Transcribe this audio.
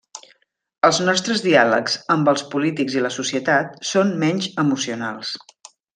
Els nostres diàlegs amb els polítics i la societat són menys emocionals.